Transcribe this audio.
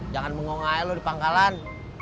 jangan bengong aja lo di pangkalan